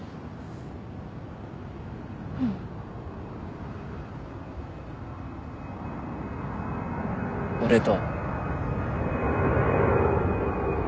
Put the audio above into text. うん。俺と。